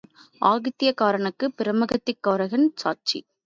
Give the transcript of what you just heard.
ஆகாத்தியக்காரனுக்குப் பிரம்மகத்திக்காரன் சாட்சி.